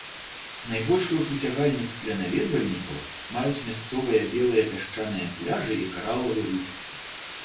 Найбольшую прыцягальнасць для наведвальнікаў маюць мясцовыя белыя пясчаныя пляжы і каралавы рыф.